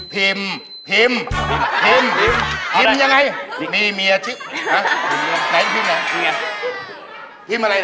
พิมอะไรละ